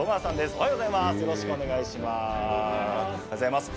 おはようございます。